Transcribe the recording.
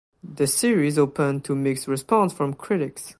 The series opened to mixed response from critics.